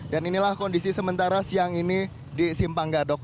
dan inilah kondisi sementara siang ini di simpang gadog